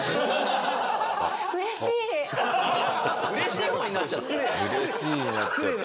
うれしい方になっちゃった。